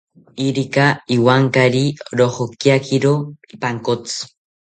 Irika ewankari rojoriakiro pankotsi